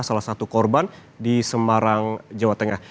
salah satu korban di semarang jawa tengah